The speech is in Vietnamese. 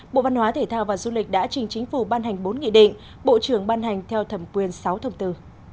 bộ văn hóa thể thao và du lịch đã trình chính phủ ban hành bốn nghị định bộ trưởng ban hành theo thẩm quyền sáu thông tư